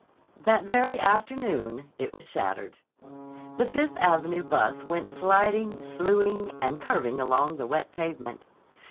That very afternoon it was shattered. The Fifth Avenue bus went sliding, slewing, and curving along the wet pavement.